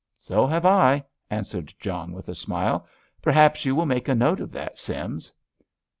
"So have I," answered John, with a smile. "Perhaps you will make a note of that, Sims."